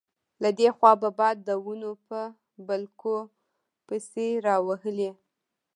له دې خوا به باد د ونو په بلګو پسې راوهلې.